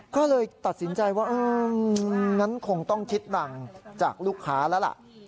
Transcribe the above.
ก็เลยตัดสินใจว่างั้นคงต้องคิดดังจากลูกค้าแล้วล่ะ